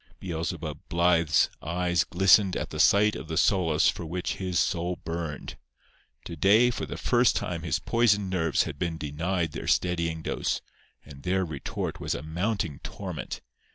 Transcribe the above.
"Beelzebub" Blythe's eyes glistened at the sight of the solace for which his soul burned. To day for the first time his poisoned nerves had been denied their steadying dose; and their retort was a mounting torment.